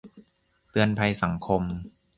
เตือนภัยสังคม